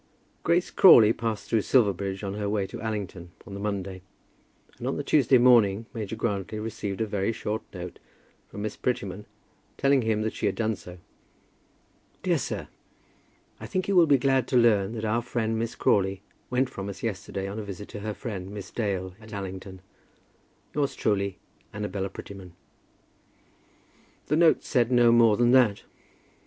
Grace Crawley passed through Silverbridge on her way to Allington on the Monday, and on the Tuesday morning Major Grantly received a very short note from Miss Prettyman, telling him that she had done so. "Dear Sir, I think you will be glad to learn that our friend Miss Crawley went from us yesterday on a visit to her friend, Miss Dale, at Allington. Yours truly, Annabella Prettyman." The note said no more than that.